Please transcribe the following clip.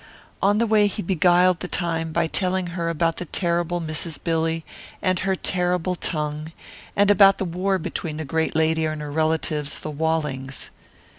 On the way he beguiled the time by telling her about the terrible Mrs. Billy and her terrible tongue; and about the war between the great lady and her relatives, the Wallings.